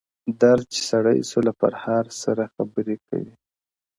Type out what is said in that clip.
درد چي سړی سو له پرهار سره خبرې کوي!!